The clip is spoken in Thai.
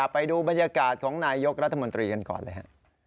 ไปดูบรรยากาศของนายยกรัฐมนตรีกันก่อนเลยฮะ